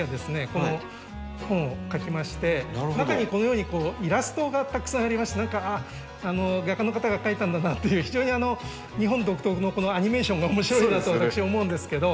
この本を書きまして中にこのようにイラストがたくさんありまして何か画家の方が描いたんだなっていう非常に日本独特のアニメーションが面白いなと私は思うんですけど。